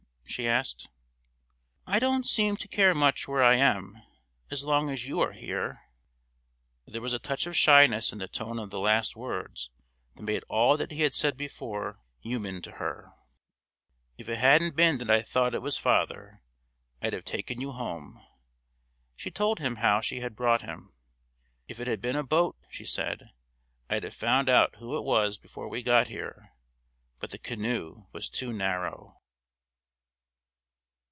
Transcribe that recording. she asked. "I don't seem to care much where I am, as long as you are here." There was a touch of shyness in the tone of the last words that made all that he had said before human to her. "If it hadn't been that I thought it was father, I'd have taken you home." She told him how she had brought him. "If it had been a boat," she said, "I'd have found out who it was before we got here, but the canoe was too narrow."